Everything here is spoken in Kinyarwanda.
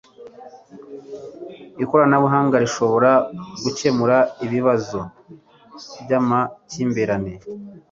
ikoranabuhanga rishobora gukemura ibibazo by'amakimbirane